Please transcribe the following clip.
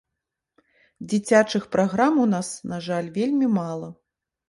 Дзіцячых праграм у нас, на жаль, вельмі мала.